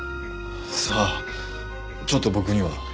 さあちょっと僕には。